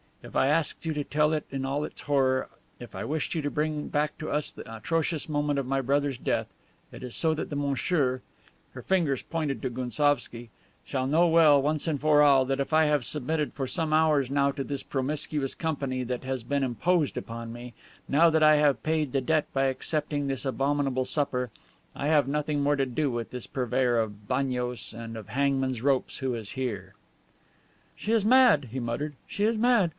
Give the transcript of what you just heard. If I asked you to tell it in all its horror, if I wished you to bring back to us the atrocious moment of my brother's death, it is so that monsieur" (her fingers pointed to Gounsovski) "shall know well, once for all, that if I have submitted for some hours now to this promiscuous company that has been imposed upon me, now that I have paid the debt by accepting this abominable supper, I have nothing more to do with this purveyor of bagnios and of hangman's ropes who is here." "She is mad," he muttered. "She is mad.